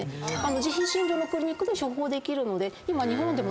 自費診療のクリニックで処方できるので今日本でも。